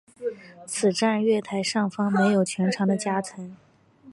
此站月台上方设有全长的夹层。